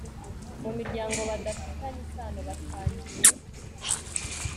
mu miryango badafitanye isano batangiye